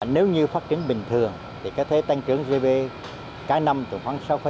nếu như phát trưởng bình thường thì có thể tăng trưởng gb cái năm từ khoảng sáu ba sáu năm